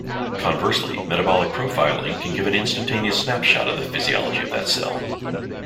Conversely, metabolic profiling can give an instantaneous snapshot of the physiology of that cell.